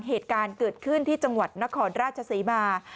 เหตุการณ์เกิดขึ้นที่จังหวัดนครราชศรีมา